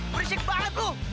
berisik banget lu